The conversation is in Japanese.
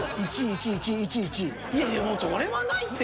いやいやもうそれはないって。